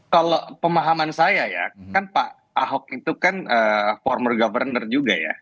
kalau pemahaman saya ya kan pak ahok itu kan formur governner juga ya